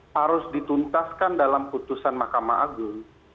harus dituntaskan dalam putusan mahkamah agung